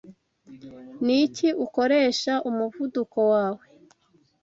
Niki ukoresha umuvuduko wawe